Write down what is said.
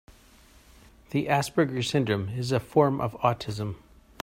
The Asperger syndrome is a form of autism.